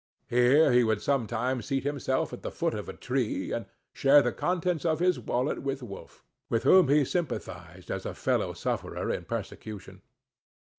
Here he would sometimes seat him[Pg 7]self at the foot of a tree, and share the contents of his wallet with Wolf, with whom he sympathized as a fellow sufferer in persecution.